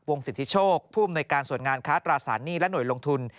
สิทธิโชคผู้อำนวยการส่วนงานค้าตราสารหนี้และหน่วยลงทุน